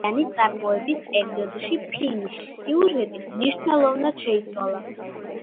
ექვსწლიანი წარმოების პერიოდში ფილმის სიუჟეტი მნიშვნელოვნად შეიცვალა.